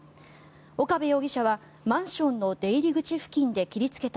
岡部容疑者はマンションの出入り口付近で切りつけた